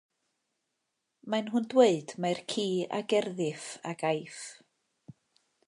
Maen nhw'n dweud mai'r ci a gerddiff a gaiff.